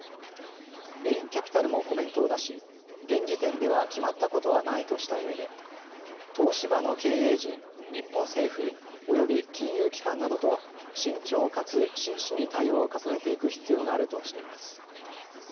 ベインキャピタルもコメントを出し、現時点では決まったことはないとしたうえで東芝の経営陣、日本政府、および金融機関などと慎重かつ真摯に対話を重ねていく必要があるとしています。